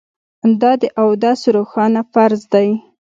دا د اودس روښانه فرض دی